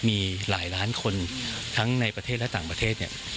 มีหลายล้านคนทั้งในประเทศและต่างประเทศเนี่ย